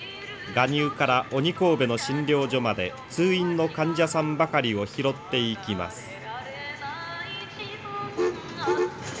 岩入から鬼首の診療所まで通院の患者さんばかりを拾っていきます。